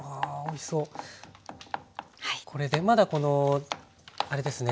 これでまだこのあれですね